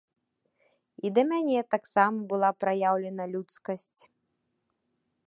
І да мяне таксама была праяўлена людскасць.